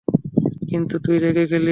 কিন্তু তুই রেগে গেলি।